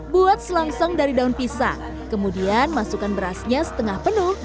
buat selangsung dari daun pisang kemudian masukkan berasnya setengah penuh